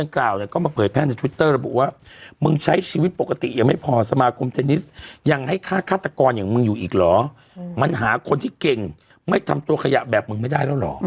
คนที่เก่งไม่ทำตัวขยะแบบมึงไม่ได้แล้วหรอ